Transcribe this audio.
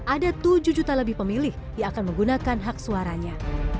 ada tujuh juta lebih pemilih yang akan menggunakan hak suaranya